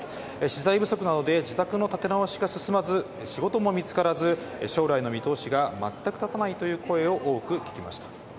資材不足などで、自宅の建て直しが進まず、仕事も見つからず、将来の見通しがまったく立たないという声を多く聞きました。